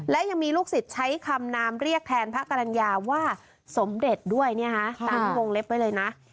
และยังมีลูกศิษย์ใช้คำนามเรียกแทนพระกรรณญาว่าสมเด็จด้วยตามที่วงเล็บไว้เลยนะ